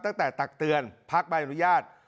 ตั้งแต่ตักเตือนพักบายอนุญาต